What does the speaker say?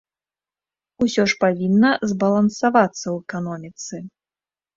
Усё ж павінна збалансавацца ў эканоміцы.